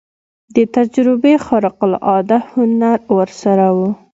د تجربې خارق العاده هنر ورسره و.